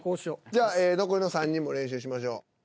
じゃあ残りの３人も練習しましょう。